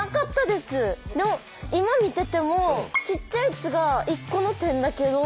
でも今見ててもちっちゃい「つ」が１個の点だけど。